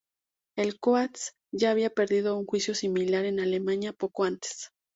El Coast ya había perdido un juicio similar en Alemania poco antes.